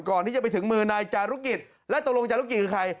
ก่อนที่จะไปถึงมือนายจารุกิจและตกลงจารุกิจคือใคร